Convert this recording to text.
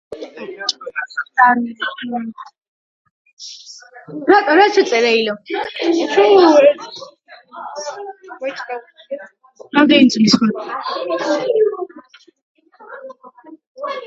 თითოეულ თაღს, ორსაფეხურიან თაროზე დაყრდნობილი, ნახევარწრიული არქივოლტი ამკობს.